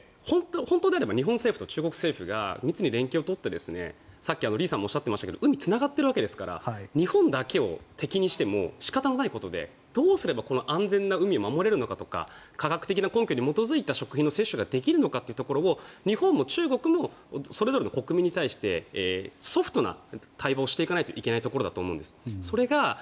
本当であれば日本政府と中国政府が密に連携を取ってさっき、リさんもおっしゃっていましたが海はつながっているわけですから日本だけを敵にしても仕方がないのでどうすれば安全な海を守れるのかとか科学的根拠に基づいた食品の摂取ができるのかとか日本も中国もそれぞれの国民に対してソフトな対応をしていかないといけないところだと思います。